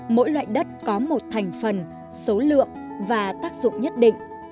mỗi loại đất có một thành phần số lượng và tác dụng nhất định